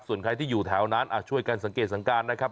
ส่วนใครที่อยู่แถวนั้นช่วยกันสังเกตสังการนะครับ